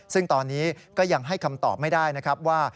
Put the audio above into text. ซึ่งตอนนี้ก็ยังให้คำตอบไม่ได้นะครับว่า